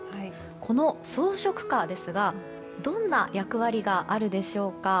この装飾花ですがどんな役割があるでしょうか。